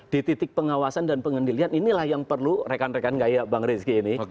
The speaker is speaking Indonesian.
di titik pengawasan dan pengendilian inilah yang perlu rekan rekan kayak bang rizky ini